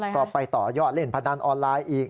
ก็ไปต่อยอดเล่นพนันออนไลน์อีก